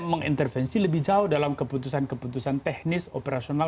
mengintervensi lebih jauh dalam keputusan keputusan teknis operasional